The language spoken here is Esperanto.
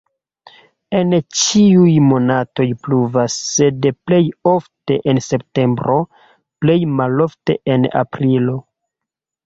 En ĉiuj monatoj pluvas, sed plej ofte en septembro, plej malofte en aprilo.